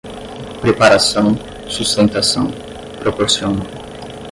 preparação, sustentação, proporcionam